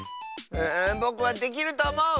うぼくはできるとおもう！